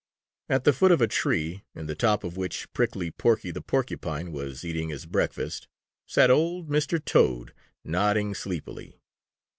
At the foot of a tree, in the top of which Prickly Porky the Porcupine was eating his breakfast, sat old Mr. Toad, nodding sleepily.